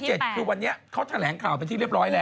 คือวันนี้เขาแถลงข่าวเป็นที่เรียบร้อยแล้ว